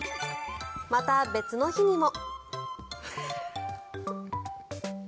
また別の日にも。